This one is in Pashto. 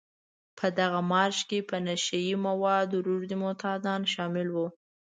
په دغه مارش کې په نشه يي موادو روږدي معتادان شامل وو.